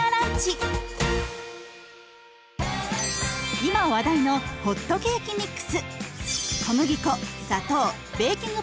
今話題のホットケーキミックス。